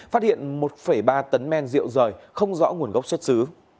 phát hiện một ba tấn men rượu rời không rõ nguồn gốc xuất xứ